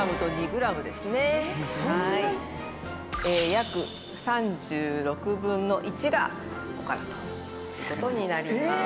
約３６分の１がおからという事になります。